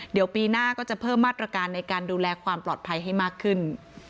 เดี๋ยวปีหน้าก็จะเพิ่มมาตรการในการดูแลความปลอดภัยให้มากขึ้น